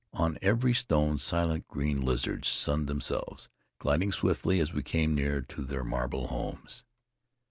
On every stone silent green lizards sunned themselves, gliding swiftly as we came near to their marble homes.